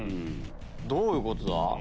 どういうことだ？